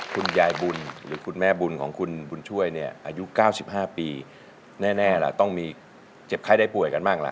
คุณยายบุญหรือคุณแม่บุญของคุณบุญช่วยเนี่ยอายุ๙๕ปีแน่ล่ะต้องมีเจ็บไข้ได้ป่วยกันบ้างล่ะ